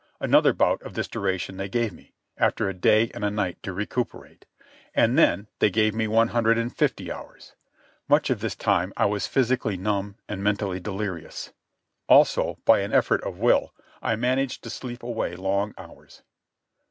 Another bout of this duration they gave me, after a day and a night to recuperate. And then they gave one hundred and fifty hours. Much of this time I was physically numb and mentally delirious. Also, by an effort of will, I managed to sleep away long hours.